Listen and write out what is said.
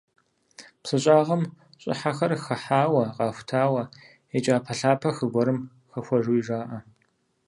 Псы щӏагъым щӏыхьэхэр хыхьауэ, къахутауэ, и кӏапэлъапэ хы гуэрым хэхуэжуи жаӏэ.